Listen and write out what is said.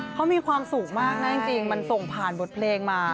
เขามีความสุขมากนะจริงมันส่งผ่านบทเพลงมา